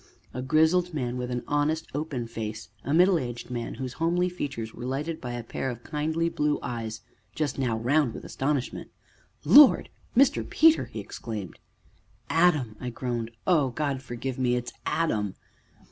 A grizzled man with an honest, open face, a middle aged man whose homely features were lighted by a pair of kindly blue eyes, just now round with astonishment. "Lord! Mr. Peter!" he exclaimed. "Adam!" I groaned. "Oh, God forgive me, it's Adam!"